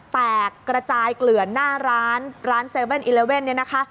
แตกกระจายเกลื่อนหน้าร้านร้าน๗๑๑เนี่ยนะคะ